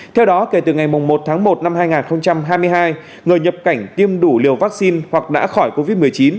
theo đó kể từ ngày một tháng một năm hai nghìn hai mươi hai người nhập cảnh tiêm đủ liều vaccine hoặc đã khỏi covid một mươi chín